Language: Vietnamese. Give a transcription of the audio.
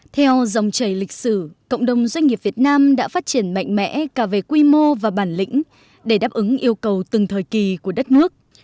theo dòng chảy lịch sử cộng đồng doanh nghiệp việt nam đã phát triển mạnh mẽ cả về quy mô và bản lĩnh để đáp ứng yêu cầu từng thời kỳ của đất nước